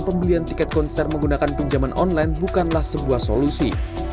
pembelian tiket konser menggunakan pinjaman online bukanlah sebuah solusi